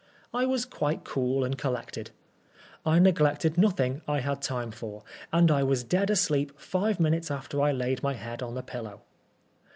I was quite cool and collected ; I neglected nothing I had time for, and I was dead asleep five minutes after I laid my head on the pillow.